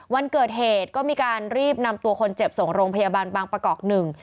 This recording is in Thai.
วันเกิดเหตุก็มีการรีบนำตัวคนเจ็บส่งโรงพยาบาลบางประกอบหนึ่ง